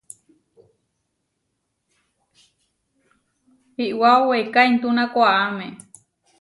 Iʼwáo weiká intúna koʼáme.